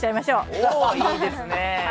おおいいですね。